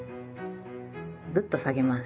ぐっと下げます。